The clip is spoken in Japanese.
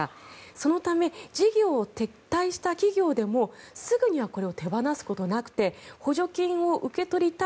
そのため事業を撤退した企業でもすぐにはこれを手放すことはなくて補助金を受け取りたい。